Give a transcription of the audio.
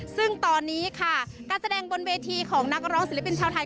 ซึ่งตอนนี้ค่ะการแสดงบนเวทีของนักร้องศิลปินชาวไทย